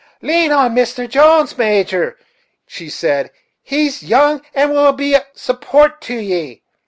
"Lane on Mister Jones, Major," said she "he's young and will be a support to ye.